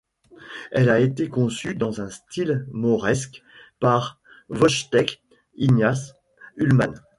Elle a été conçue dans un style mauresque par Vojtěch Ignátz Ullmann.